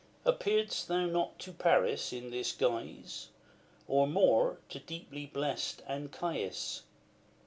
LI. Appearedst thou not to Paris in this guise? Or to more deeply blest Anchises?